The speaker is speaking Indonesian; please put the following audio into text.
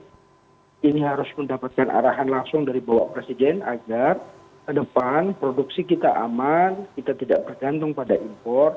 jadi ini harus mendapatkan arahan langsung dari bapak presiden agar ke depan produksi kita aman kita tidak bergantung pada impor